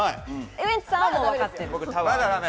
ウエンツさんはもうわかってる。